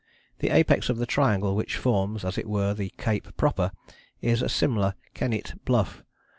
The apex of the triangle which forms as it were the cape proper is a similar kenyte bluff.